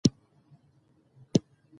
زما بې غيرته خلک نه خوښېږي .